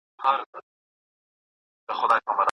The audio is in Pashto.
هغه تر فراغت وروسته یوازي مقاله خپره کړه.